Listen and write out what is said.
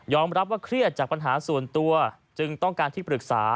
รับว่าเครียดจากปัญหาส่วนตัวจึงต้องการที่ปรึกษา